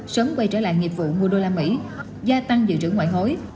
sớm quay trở lại nghiệp vụ mua đô la mỹ gia tăng dự trữ ngoại hối